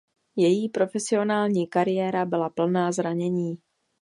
Její profesionální kariéra byla plná zranění.